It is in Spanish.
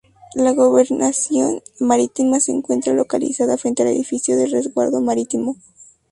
La Gobernación Marítima se encuentra localizada frente al edificio del Resguardo Marítimo.